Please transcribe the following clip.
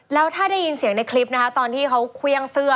แล้วถ้าได้ยินเสียงในคลิปนะคะตอนที่เขาเครื่องเสื้อ